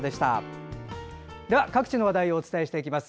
では各地の話題をお伝えします。